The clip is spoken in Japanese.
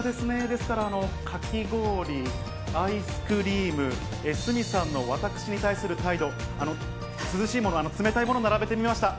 ですから、かき氷、アイスクリーム、鷲見さんの私に対する態度、涼しいもの、つめたいもの、並べてみました。